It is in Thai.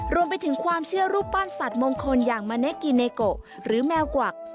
รวมไปถึงความเชื่อรูปปั้นสัตว์มงคลอย่างมะเนกิเนโกหรือแมวกวัก